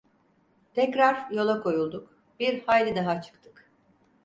Tekrar yola koyulduk, bir hayli daha çıktık.